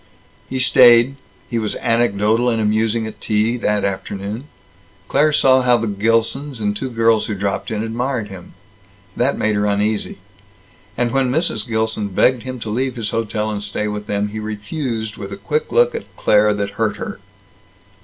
He stayed. He was anecdotal and amusing at tea, that afternoon. Claire saw how the Gilsons, and two girls who dropped in, admired him. That made her uneasy. And when Mrs. Gilson begged him to leave his hotel and stay with them, he refused with a quick look at Claire that hurt her.